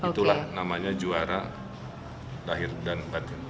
itulah namanya juara lahir batin